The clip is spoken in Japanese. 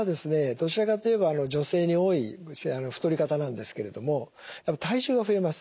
どちらかと言えば女性に多い太り方なんですけれども体重が増えます。